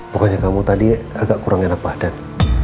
pokoknya kamu tadi agak kurang enak padat